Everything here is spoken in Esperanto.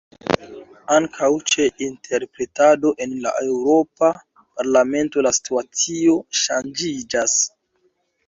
Ankaŭ ĉe interpretado en la Eŭropa Parlamento la situacio ŝanĝiĝas.